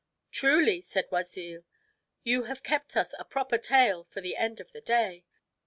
"Truly," said Oisille, "you have kept us a proper tale for the end of the day.